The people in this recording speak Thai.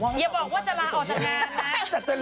พอไม่มาเขาบอกอย่าบอกว่าจะลาออกจากงานนะ